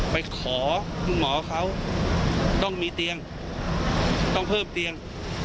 ไปขอคุณหมอเขาต้องมีเตียงต้องเพิ่มเตียง